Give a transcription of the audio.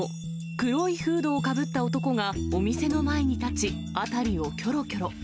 黒いフードをかぶった男がお店の前に立ち、辺りをきょろきょろ。